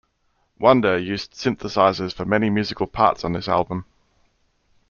Wonder used synthesizers for many musical parts on this album.